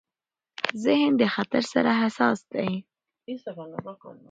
ذهن د خطر سره حساس دی.